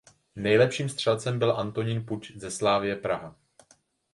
Nejlepším střelcem byl Antonín Puč ze Slavie Praha.